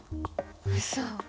うそ。